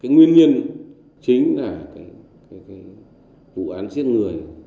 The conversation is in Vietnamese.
nguyên nhân chính là vụ án giết người